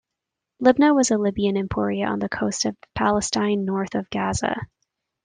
Libna was a Libyan emporia on the coast of Palestine north of Gaza.